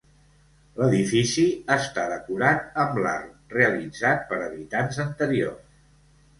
L'edifici està decorat amb l'art realitzat per habitants anteriors.